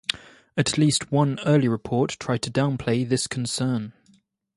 At least one early report tried to downplay this concern.